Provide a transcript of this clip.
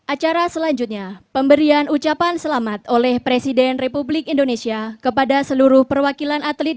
acara selanjutnya pemberian ucapan selamat oleh presiden republik indonesia kepada seluruh perwakilan atlet